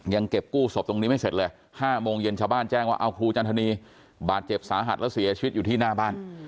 ยังเก็บกู้ศพตรงนี้ไม่เสร็จเลย๕โมงเย็นชาวบ้านแจ้งว่าเอาครูจันทนีบาดเจ็บสาหัสแล้วเสียชีวิตอยู่ที่หน้าบ้าน